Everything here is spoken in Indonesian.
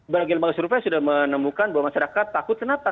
sebagian lembaga surupai sudah menemukan bahwa masyarakat takut kenapa